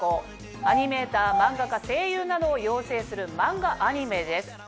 アニメーター漫画家声優などを養成するマンガ・アニメです。